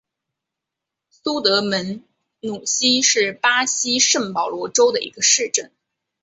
苏德门努西是巴西圣保罗州的一个市镇。